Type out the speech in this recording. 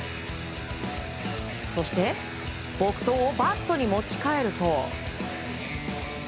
そして、木刀をバットに持ち替えると。